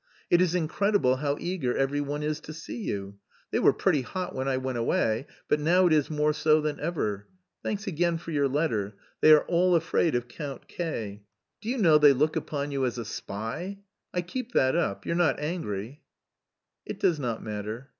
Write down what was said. It is incredible how eager every one is to see you. They were pretty hot when I went away, but now it is more so than ever. Thanks again for your letter. They are all afraid of Count K. Do you know they look upon you as a spy? I keep that up, you're not angry?" "It does not matter."